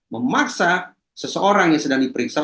memaksa seseorang yang sedang diperiksa